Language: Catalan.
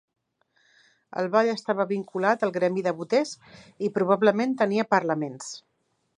El ball estava vinculat al gremi de boters i probablement tenia parlaments.